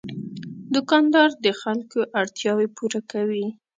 دوکاندار د خلکو اړتیاوې پوره کوي.